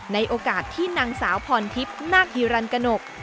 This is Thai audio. ในโอกาสที่นางสาวพรทิพย์นาคฮิรันกนก